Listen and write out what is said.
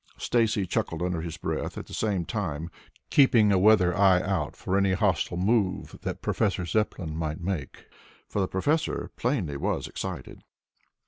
Stacy chuckled under his breath, at the same time keeping a weather eye out for any hostile move that Professor Zepplin might make, for the professor plainly was excited.